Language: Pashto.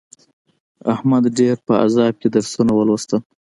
احمد ډېر په عذاب کې درسونه ولوستل.